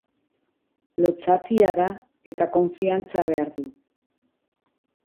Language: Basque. Lotsatia da eta konfiantza behar du.